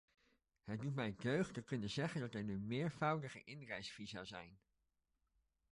Het doet mij deugd te kunnen zeggen dat er nu meervoudige inreisvisa zijn.